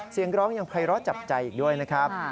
เสียงร้องยังไพร้อจับใจอีกด้วยนะครับ